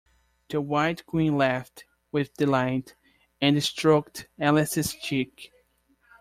The White Queen laughed with delight, and stroked Alice’s cheek.